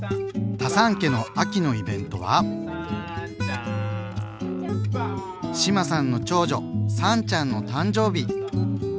タサン家の秋のイベントは志麻さんの長女さんちゃんの誕生日。